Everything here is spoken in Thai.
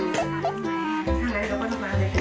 วับเขาให้